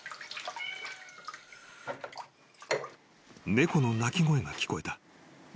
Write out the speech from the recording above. ・［猫の鳴き声が聞こえた］